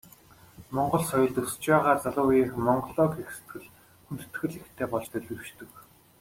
Монгол соёлд өсөж байгаа залуу үеийнхэн Монголоо гэх сэтгэл, хүндэтгэл ихтэй болж төлөвшдөг.